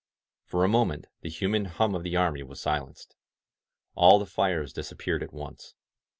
For a mo ment the human hum of the army was silenced. All the fires disappeared at once.